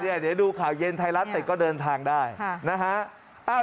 เดี๋ยวดูข่าวเย็นไทยรัฐเสร็จก็เดินทางได้นะฮะ